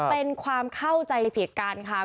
เป็นความเข้าใจผิดกันค่ะ